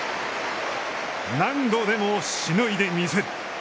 何度でもしのいでみせる。